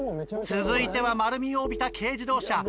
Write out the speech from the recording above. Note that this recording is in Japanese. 続いては丸みを帯びた軽自動車。